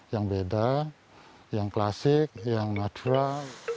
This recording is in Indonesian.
yang beda yang klasik yang natural